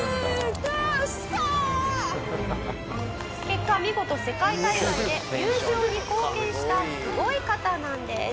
結果見事世界大会で優勝に貢献したすごい方なんです。